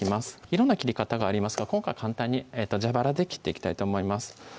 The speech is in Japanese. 色んな切り方がありますが今回簡単に蛇腹で切っていきたいと思います